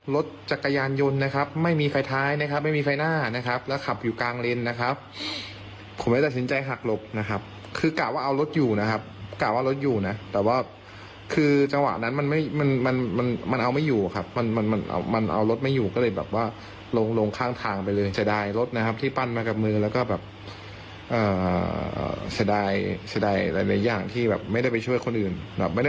รถจักรยานยนต์นะครับไม่มีไฟท้ายนะครับไม่มีไฟหน้านะครับแล้วขับอยู่กลางเลนนะครับผมไม่ได้สินใจหักหลบนะครับคือกะว่าเอารถอยู่นะครับกะว่ารถอยู่นะแต่ว่าคือจังหวะนั้นมันไม่มันมันมันเอาไม่อยู่ครับมันมันมันเอามันเอารถไม่อยู่ก็เลยแบบว่าลงลงข้างทางไปเลยเสียดายรถนะครับที่ปั้นมากับมือแล้วก็แบบเสียด